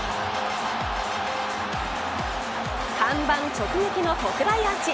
看板直撃の特大アーチ。